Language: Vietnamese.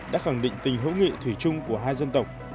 đã khẳng định tình hữu nghị thủy chung của hai dân tộc